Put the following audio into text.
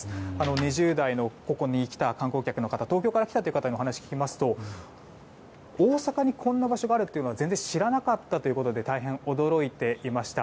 ２０代のここに来た観光客の方東京から来たという方にお話を聞きますと大阪に、こんな場所があるとは全然知らなかったということで大変驚いていました。